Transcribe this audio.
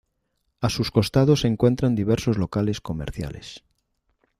A sus costados se encuentran diversos locales comerciales.